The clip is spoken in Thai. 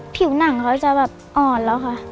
ผิวหนังเขาจะแบบอ่อนแล้วค่ะ